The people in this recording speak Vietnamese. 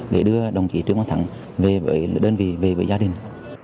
để đưa đồng chí trương hòa thắng về với đơn vị về với gia đình